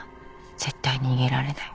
「絶対に逃げられない。